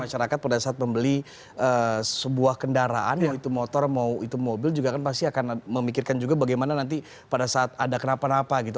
masyarakat pada saat membeli sebuah kendaraan mau itu motor mau itu mobil juga kan pasti akan memikirkan juga bagaimana nanti pada saat ada kenapa napa gitu